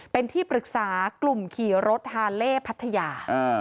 เป็นที่ปรึกษากลุ่มขี่รถฮาเล่พัทยา